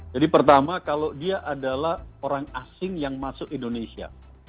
jadi pertama kalau dia adalah orang asing yang masuk indonesia